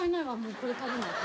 これ食べないとね。